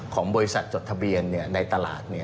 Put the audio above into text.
ของบริษัทจดทะเบียนในตลาด